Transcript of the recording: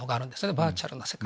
バーチャルな世界。